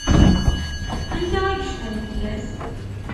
Anta i yecfan fell-as?